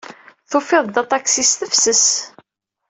Tufiḍ-d aṭaksi s tefses.